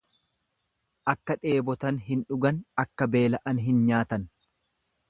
Akka dheebotan hin dhugan akka beela'an hin nyaatan.